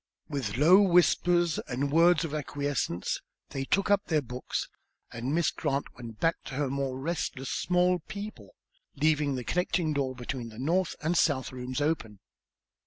With low whispers and words of acquiescence, they took up their books, and Miss Grant went back to her more restless small people, leaving the connecting door between the north and south rooms open.